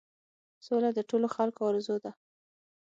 سوله د ټولو خلکو آرزو ده.